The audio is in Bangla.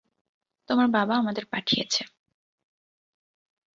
তোমার বাবা আমাদের পাঠিয়েছে।